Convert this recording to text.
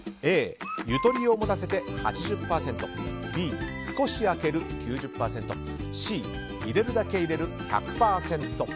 Ａ、ゆとりを持たせて、８０％Ｂ、少し空ける、９０％Ｃ、入れるだけ入れる、１００％。